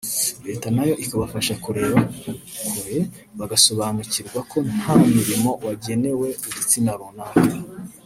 Leta nayo ikabafasha kureba kure bagasobanukirwa ko nta murimo wagenewe igitsina runaka